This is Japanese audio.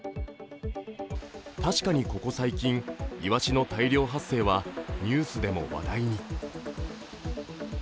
確かにここ最近、イワシの大量発生はニュースでも話題に。